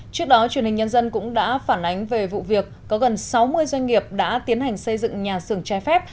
trước đó truyền hình nhân dân cũng đã phản ánh về vụ việc có gần sáu mươi doanh nghiệp đã tiến hành xây dựng nhà xưởng trai phép